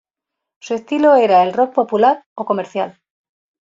Su estilo era el "rock popular" o "comercial".